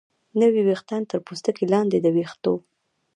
نوي ویښتان تر پوستکي لاندې د ویښتو